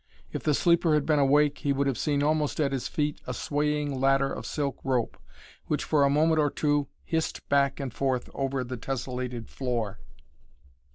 If the sleeper had been awake he would have seen almost at his feet a swaying ladder of silk rope, which for a moment or two hissed back and forth over the tesselated floor.